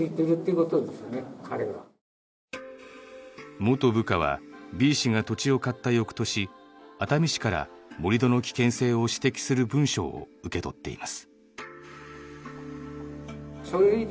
元部下はＢ氏が土地を買った翌年熱海市から盛り土の危険性を指摘する文書を受け取っています。